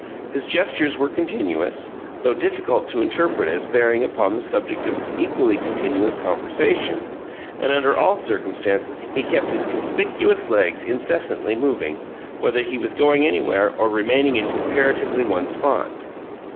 His gestures were continuous, though difficult to interpret as bearing upon the subject of his equally continuous conversation; and under all circumstances he kept his conspicuous legs incessantly moving, whether he was going anywhere or remaining in comparatively one spot.